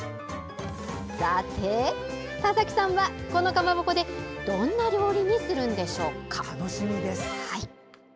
さて、田崎さんはこのかまぼこでどんな料理にするんでしょうか。